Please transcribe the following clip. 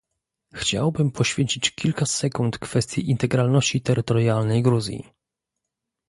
Chciałbym poświęcić kilka sekund kwestii integralności terytorialnej Gruzji